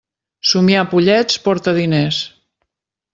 Somiar pollets porta diners.